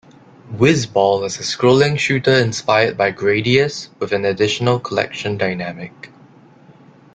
"Wizball" is a scrolling shooter inspired by "Gradius" with an additional collection dynamic.